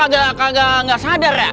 gak sadar ya